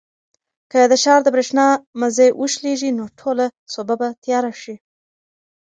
که د ښار د برېښنا مزي وشلېږي نو ټوله سوبه به تیاره شي.